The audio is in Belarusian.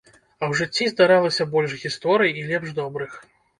А ў жыцці здаралася больш гісторый, і лепш добрых.